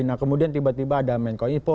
nah kemudian tiba tiba ada menko info